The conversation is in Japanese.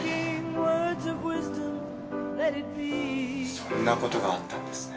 そんなことがあったんですね。